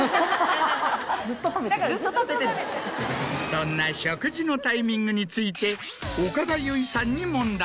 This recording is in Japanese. そんな食事のタイミングについて岡田結実さんに問題。